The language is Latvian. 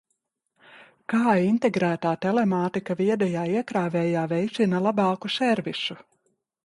Kā integrētā telemātika viedajā iekrāvējā veicina labāku servisu?